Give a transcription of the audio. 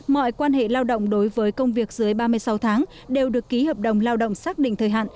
mọi quan hệ lao động đối với công việc dưới ba mươi sáu tháng đều được ký hợp đồng lao động xác định thời hạn